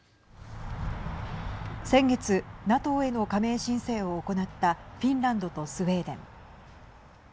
先月ＮＡＴＯへの加盟申請を行ったフィンランドとスウェーデン。